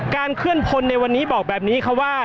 เคลื่อนพลในวันนี้บอกแบบนี้ค่ะว่า